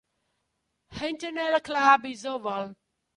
Antennal club is oval.